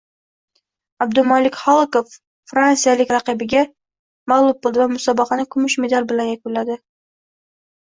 Abdumalik Halokov fransiyalik raqibiga mag‘lub bo‘ldi va musobaqani kumush medali bilan yakunladi